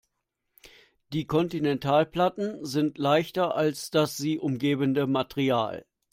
Die Kontinentalplatten sind leichter als das sie umgebende Material.